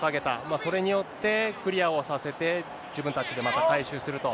それによって、クリアをさせて、自分たちでまた回収すると。